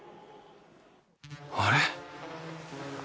あれ？